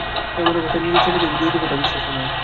এমন অবস্থায় কেউ তার নিজের ছেলেকে দিয়ে দেবে, তা বিশ্বাস্য নয়।